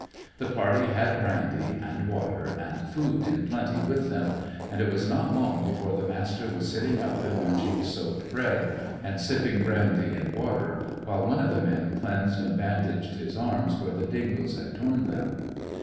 The party had brandy, and water, and food in plenty with them; and it was not long before the Master was sitting up and munching soaked bread, and sipping brandy and water, while one of the men cleansed and bandaged his arms where the dingoes had torn them.